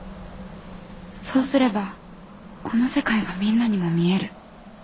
そうすればこの世界がみんなにも見える。